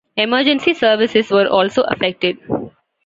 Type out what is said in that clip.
Emergency services were also affected.